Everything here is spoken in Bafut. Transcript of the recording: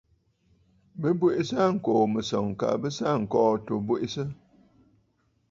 Bɨ bweʼesə aa ŋkòò mɨ̀sɔ̀ŋ, kaa bɨ sɨ aa ŋ̀kɔ̀lɔ̂ àtu bweʼesə.